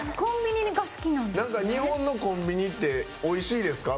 日本のコンビニっておいしいですか？